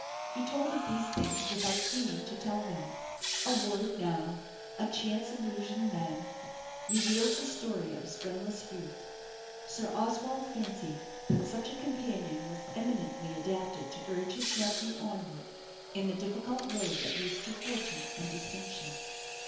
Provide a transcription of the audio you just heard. He told of these things without seeming to tell them; a word now, a chance allusion then, revealed the story of his friendless youth. Sir Oswald fancied that such a companion was eminently adapted to urge his nephew onward in the difficult road that leads to fortune and distinction.